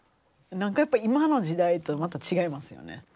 なんかやっぱ今の時代とまた違いますよね。